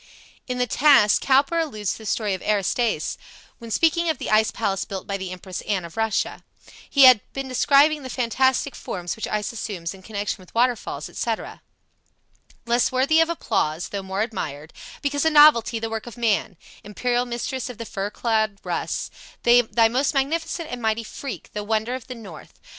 In "The Task," Cowper alludes to the story of Aristaeus, when speaking of the ice palace built by the Empress Anne of Russia. He has been describing the fantastic forms which ice assumes in connection with waterfalls, etc.: "Less worthy of applause though more admired Because a novelty, the work of man, Imperial mistress of the fur clad Russ, Thy most magnificent and mighty freak, The wonder of the north.